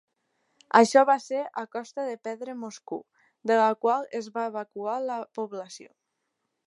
Això va ser a costa de perdre Moscou, de la qual es va evacuar la població.